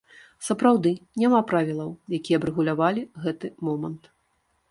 Сапраўды, няма правілаў, якія б рэгулявалі гэты момант.